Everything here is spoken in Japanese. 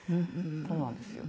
そうなんですよ。